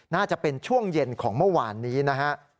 น่าจะเป็นช่วงเย็นของเมื่อวานนี้นะฮะ